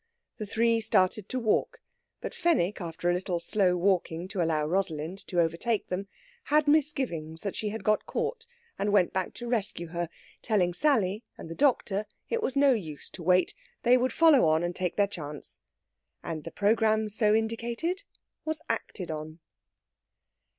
The three started to walk, but Fenwick, after a little slow walking to allow Rosalind to overtake them, had misgivings that she had got caught, and went back to rescue her, telling Sally and the doctor it was no use to wait they would follow on, and take their chance. And the programme so indicated was acted on.